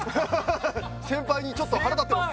先輩にちょっと腹立ってます